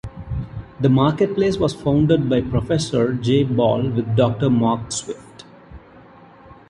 The marketplace was founded by Professor Jay Bal with Doctor Mark Swift.